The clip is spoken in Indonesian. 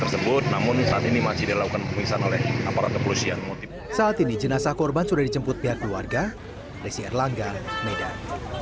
saat ini jenazah korban sudah dicemput pihak keluarga resier langgar medan